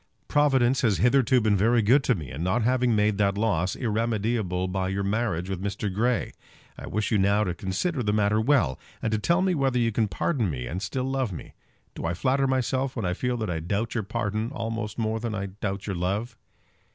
Providence has hitherto been very good to me in not having made that loss irremediable by your marriage with Mr. Grey. I wish you now to consider the matter well, and to tell me whether you can pardon me and still love me. Do I flatter myself when I feel that I doubt your pardon almost more than I doubt your love?